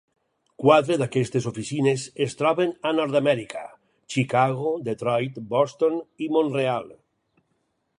Quatres d'aquestes oficines es troben a Nord-Amèrica: Chicago, Detroit, Boston i Mont-real.